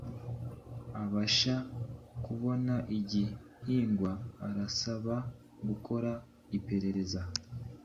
abasha kubona igihingwa arasaba gukora iperereza